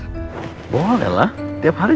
jangan sampai kedengeran rosan aku